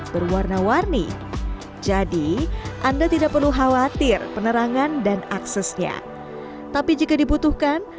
berwarna warni jadi anda tidak perlu khawatir penerangan dan aksesnya tapi jika dibutuhkan